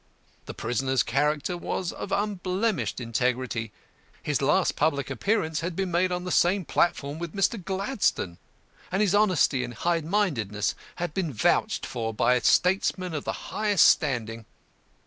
The prisoner's character was of unblemished integrity, his last public appearance had been made on the same platform with Mr. Gladstone, and his honesty and highmindedness had been vouched for by statesmen of the highest standing.